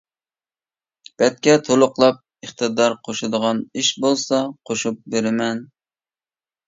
بەتكە تولۇقلاپ ئىقتىدار قوشىدىغان ئىش بولسا قوشۇپ بېرىمەن.